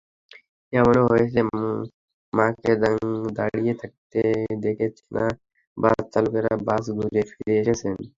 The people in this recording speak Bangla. এমনও হয়েছে, মাকে দাঁড়িয়ে থাকতে দেখে চেনা বাসচালকেরা বাস ঘুরিয়ে ফিরে এসেছেন।